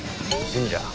神社？